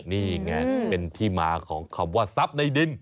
นี่ไงเป็นที่มาของคำว่าทรัพย์ในดิน